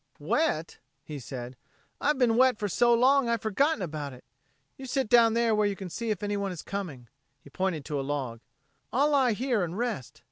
"Wet?" he said. "I've been wet for so long I've forgotten about it. You sit down there where you can see if anyone is coming." He pointed to a log. "I'll lie here and rest."